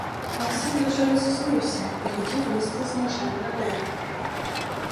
Максим дуже розізлився і хотів лізти з ножем на дерево.